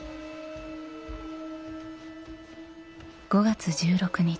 ５月１６日